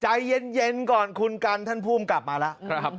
ใจเย็นก่อนคุณกัลท่านภูมิกลับมาล่ะครับ